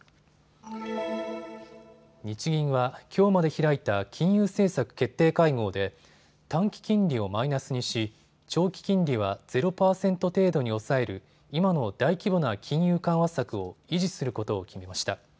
日銀はきょうまで開いた金融政策決定会合で短期金利をマイナスにし長期金利は０％程度に抑える今の大規模な金融緩和策を維持することを決めました。